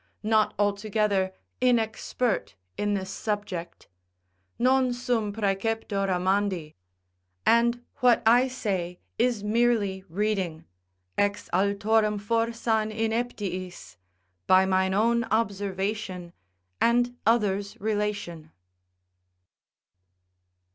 not altogether inexpert in this subject, non sum praeceptor amandi, and what I say, is merely reading, ex altorum forsan ineptiis, by mine own observation, and others' relation.